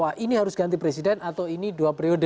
nah di kita ini harus ganti presiden atau ini dua periode misalnya